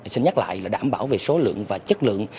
xin nhắc lại là đảm bảo về số lượng và chất lượng